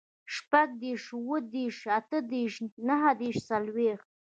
شپوږدېرس, اوهدېرس, اتهدېرس, نهدېرس, څلوېښت